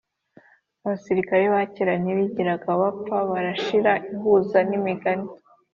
abasirikare bakera ntibigera bapfa, barashira. ihuza n'umugani